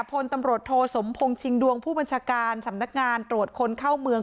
พลตำรวจโทสมพงศ์ชิงดวงผู้บัญชาการสำนักงานตรวจคนเข้าเมือง